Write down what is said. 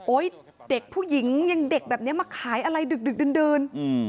เด็กผู้หญิงยังเด็กแบบนี้มาขายอะไรดึกดื่น